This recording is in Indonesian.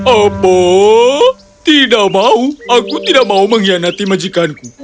apa tidak mau aku tidak mau mengkhianati majikanku